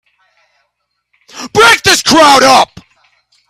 Break this crowd up!